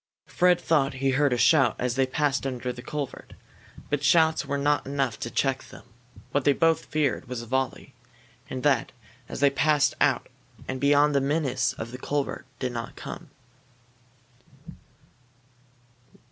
Fred thought he heard a shout as they passed under the culvert. But shouts were not enough to check them. What they both feared was a volley. And that, as they passed out and beyond the menace of the culvert, did not come.